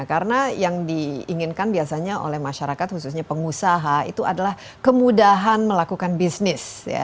karena yang diinginkan biasanya oleh masyarakat khususnya pengusaha itu adalah kemudahan melakukan bisnis